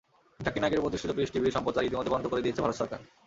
জাকির নায়েকের প্রতিষ্ঠিত পিস টিভির সম্প্রচার ইতিমধ্যে বন্ধ করে দিয়েছে ভারত সরকার।